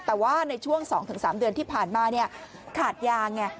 แต่ว่าในช่วง๒๓เดือนที่ผ่านมาขาดยาไง